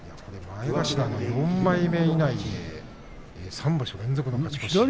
前頭の４枚目以内で３場所連続の勝ち越しです。